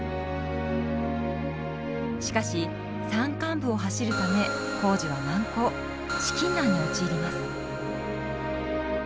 しかし山間部を走るため工事は難航資金難に陥ります。